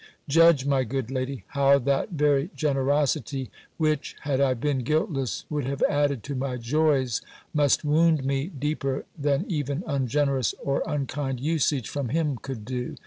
Judge, my good lady, how that very generosity, which, had I been guiltless, would have added to my joys, must wound me deeper than even ungenerous or unkind usage from him could do!